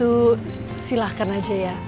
udah mau sekolah